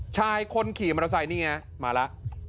ชายคนขี่มอเตอร์ไซค์นี่ไงมาแล้ว